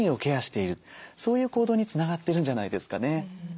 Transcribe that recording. そういう行動につながってるんじゃないですかね。